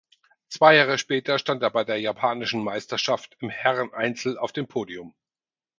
Zwei Jahre später stand er bei der Japanischen Meisterschaft im Herreneinzel auf dem Podium.